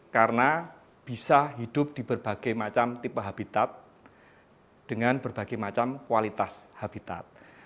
karena bisa hidup di berbagai macam tipe habitat dengan berbagai macam kualitas habitat